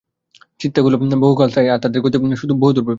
চিন্তাগুলিই বহুকালস্থায়ী, আর তাদের গতিও বহুদূরব্যাপী।